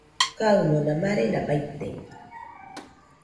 Kaɨmona marena baite